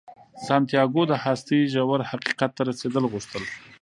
سانتیاګو د هستۍ ژور حقیقت ته رسیدل غوښتل.